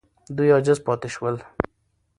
دوی عاجز پاتې سول.